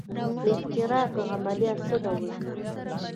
د احتراق عملیه څه ډول ده.